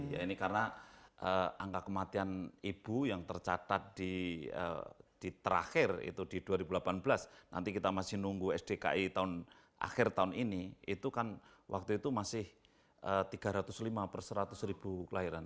ya ini karena angka kematian ibu yang tercatat di terakhir itu di dua ribu delapan belas nanti kita masih nunggu sdki akhir tahun ini itu kan waktu itu masih tiga ratus lima per seratus ribu kelahiran